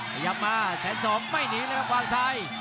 ขยับมาแสนสองไม่หนีเลยครับวางซ้าย